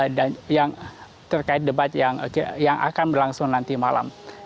di diawakil presiden nomor urut dua sandiaga uno